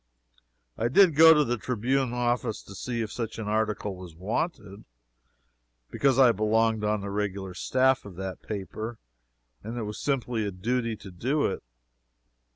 I did go to the Tribune office to see if such an article was wanted, because I belonged on the regular staff of that paper and it was simply a duty to do it.